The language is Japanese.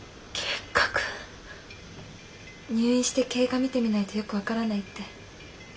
入院して経過見てみないとよく分からないって。